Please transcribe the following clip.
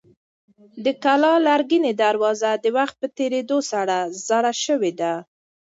د کلا لرګینه دروازه د وخت په تېرېدو سره زړه شوې ده.